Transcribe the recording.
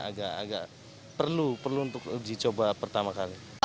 agak agak perlu perlu untuk uji coba pertama kali